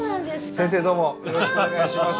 先生どうもよろしくお願いします。